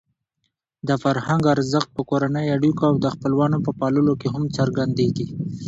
د فرهنګ ارزښت په کورنۍ اړیکو او د خپلوانو په پاللو کې هم څرګندېږي.